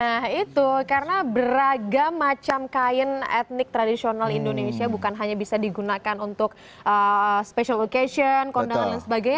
nah itu karena beragam macam kain etnik tradisional indonesia bukan hanya bisa digunakan untuk special location kondangan dan sebagainya